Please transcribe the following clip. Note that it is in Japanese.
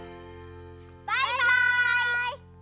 バイバイ！